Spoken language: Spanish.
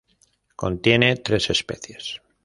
Contiene tres especies.